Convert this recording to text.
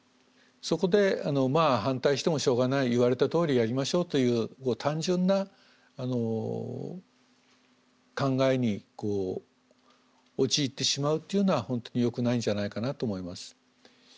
そこでまあ反対してもしょうがない言われたとおりやりましょうという単純な考えにこう陥ってしまうっていうのは本当によくないんじゃないかなと思います。